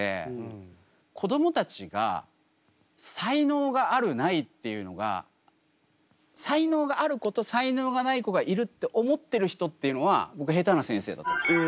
子どもたちが才能があるないっていうのが才能がある子と才能がない子がいるって思ってる人っていうのは僕へたな先生だと思います。